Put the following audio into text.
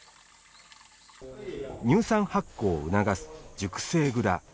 乳酸発酵を促す熟成蔵。